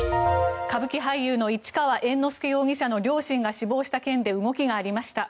歌舞伎俳優の市川猿之助容疑者の両親が死亡した件で動きがありました。